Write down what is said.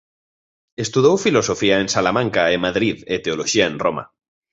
Estudou filosofía en Salamanca e Madrid e teoloxía en Roma.